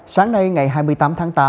sáng nay ngày hai mươi tám tháng tám